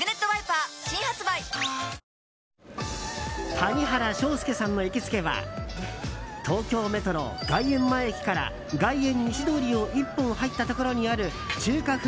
谷原章介さんの行きつけは東京メトロ外苑前駅から外苑西通りを１本入ったところにある中華風